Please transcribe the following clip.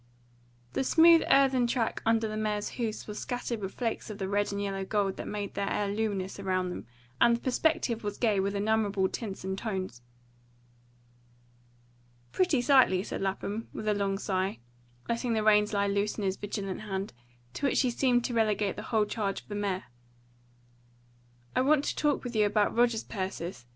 The smooth earthen track under the mare's hoofs was scattered with flakes of the red and yellow gold that made the air luminous around them, and the perspective was gay with innumerable tints and tones. "Pretty sightly," said Lapham, with a long sigh, letting the reins lie loose in his vigilant hand, to which he seemed to relegate the whole charge of the mare. "I want to talk with you about Rogers, Persis.